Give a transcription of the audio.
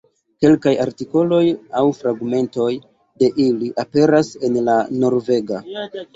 Kelkaj artikoloj aŭ fragmentoj de ili aperas en la Norvega.